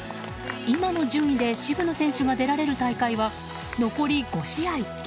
今の順位で渋野選手が出られる大会は残り５試合。